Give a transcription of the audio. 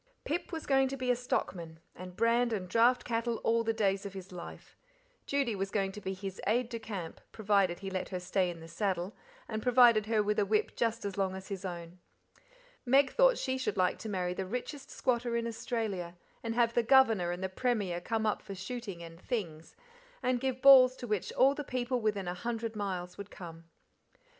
Pip was going to be a stockman, and brand and draft cattle all the days of his life. Judy was going to be his "aide de camp", provided he let her stay in the saddle, and provided her with a whip just as long as his own. Meg thought she should like to marry the richest squatter in Australia, and have the Governor and the Premier come up for shooting and "things," and give balls to which all the people within a hundred miles would come.